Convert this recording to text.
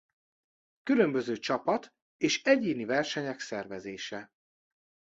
Különböző csapat- és egyéni versenyek szervezése.